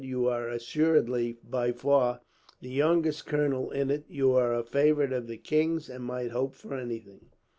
"You are assuredly, by far, the youngest colonel in it. You are a favourite of the king's, and might hope for anything."